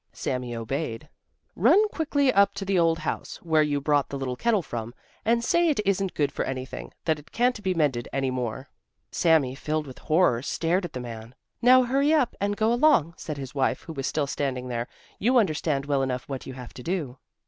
Sami obeyed. "Run quickly up to the old house, where you brought the little kettle from, and say it isn't good for anything, that it can't be mended any more." Sami, filled with horror, stared at the man. "Now hurry up and go along," said his wife, who was still standing there; "you understand well enough what you have to do."